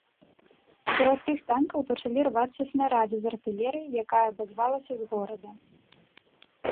Сярод тых танкаў пачалі рвацца снарады з артылерыі, якая абазвалася з горада.